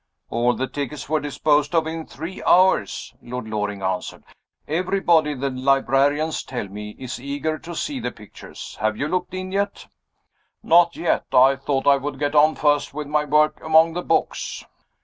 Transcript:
"All the tickets were disposed of in three hours," Lord Loring answered. "Everybody (the librarians tell me) is eager to see the pictures. Have you looked in yet?" "Not yet. I thought I would get on first with my work among the books."